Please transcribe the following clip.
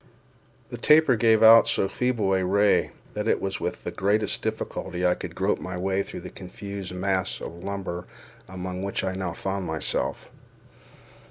The taper gave out so feeble a ray that it was with the greatest difficulty I could grope my way through the confused mass of lumber among which I now found myself.